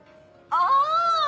あぁ！